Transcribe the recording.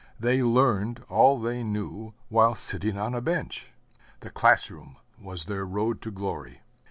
They learned all they knew while sitting on a bench. The classroom was their road to glory.